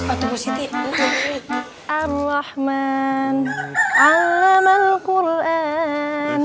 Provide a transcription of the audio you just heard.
ustadz nggak boleh deket deket nggak marhum